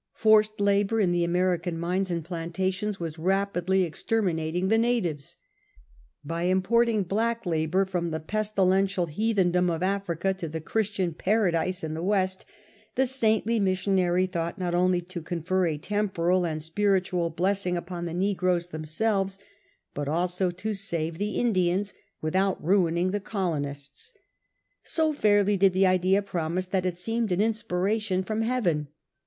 Forced labour in the American mines and plantations was rapidly extermin ating the natives. By importing black labour from the pestilential heathendom of Africa to the Christian paradise in the west, the saintly missionary thought not only to confer a temporal and spiritual blessing upon the negroes themselves, but also to save the 12 SIR FRANCIS DRAKE chap. ■ I ■^—^^M ■■■■■■_■—■■■■■■ —■■M^^^— ^^^^^^^.^M .■!■.■ I ■ I I ^^^^^» Indians without ruining the colonists. So fairly did the idea promise, that it seemed an inspiration from Heaven.